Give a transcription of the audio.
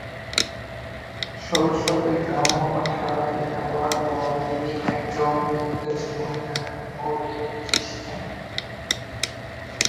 শৈশবে গ্রাম্য পাঠশালায় লেখাপড়ার পর তিনি একজন ইংরেজ মহিলার নিকট ইংরেজি শেখেন।